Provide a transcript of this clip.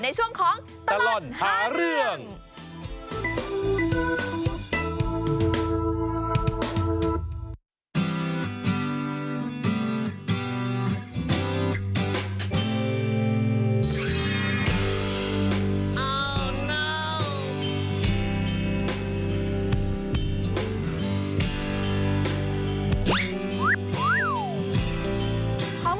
ในช่วงของตลอดหาเรื่อง